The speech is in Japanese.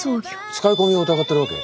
使い込みを疑ってるわけ？